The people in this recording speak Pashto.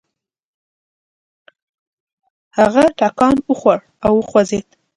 هغه ټکان وخوړ او وخوځېد.